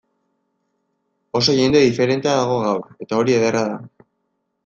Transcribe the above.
Oso jende diferentea dago gaur, eta hori ederra da.